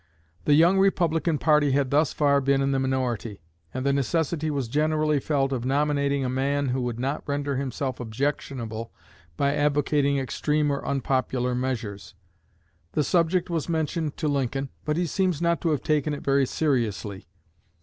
The young Republican party had thus far been in the minority, and the necessity was generally felt of nominating a man who would not render himself objectionable by advocating extreme or unpopular measures. The subject was mentioned to Lincoln, but he seems not to have taken it very seriously.